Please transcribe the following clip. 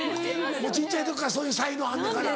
小っちゃい時からそういう才能あんのやから。